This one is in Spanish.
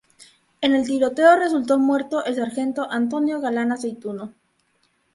En el tiroteo resultó muerto el sargento Antonio Galán Aceituno.